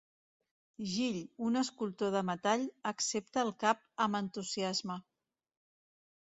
Jill, un escultor de metall, accepta el cap amb entusiasme.